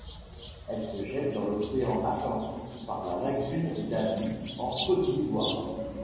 Elle se jette dans l'océan Atlantique par la lagune d'Aby en Côte d'Ivoire.